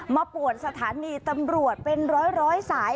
ปวดสถานีตำรวจเป็นร้อยสาย